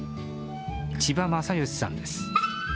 千葉正義さんです。